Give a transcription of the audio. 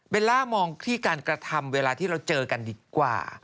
ล่ามองที่การกระทำเวลาที่เราเจอกันดีกว่า